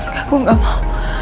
gue enggak mau